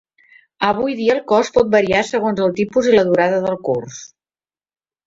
Avui dia el cost pot variar segons el tipus i la durada del curs.